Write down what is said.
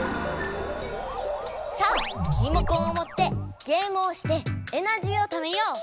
さあリモコンをもってゲームをしてエナジーをためよう！